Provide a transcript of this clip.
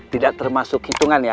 tidak termasuk hitungan ya